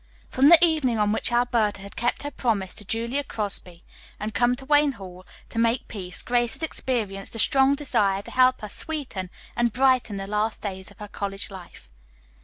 From the evening on which Alberta had kept her promise to Julia Crosby and come to Wayne Hall to make peace, Grace had experienced a strong desire to help her sweeten and brighten the last days of her college life.